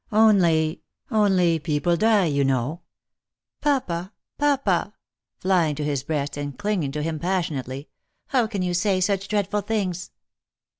Only — only people die, you know " "Papa, papa," flying to his breast, and clinging to him pas sionately, " how can you say such dreadful things